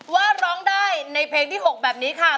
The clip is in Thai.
ว่าร้องได้ในเพลงที่๖แบบนี้ค่ะ